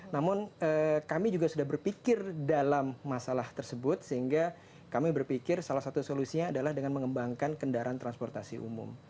namun kami juga sudah berpikir dalam masalah tersebut sehingga kami berpikir salah satu solusinya adalah dengan mengembangkan kendaraan transportasi umum